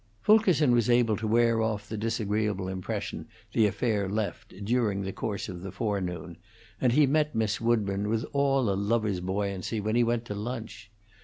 Fulkerson was able to wear off the disagreeable impression the affair left during the course of the fore noon, and he met Miss Woodburn with all a lover's buoyancy when he went to lunch.